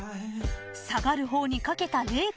［下がる方にかけたれい君］